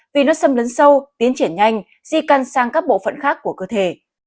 vì nó xâm lấn sâu tiến triển nhanh di căn sang các bộ phận khác của cơ thể